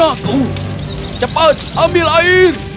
anakku cepat ambil air